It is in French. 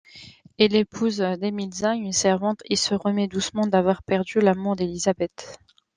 Il épouse Demelza, une servante, et se remet doucement d'avoir perdu l'amour d'Elizabeth.